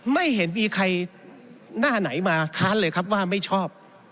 ไม่เห็นมีใครหน้าไหนมาค้านเลยครับว่าไม่ชอบ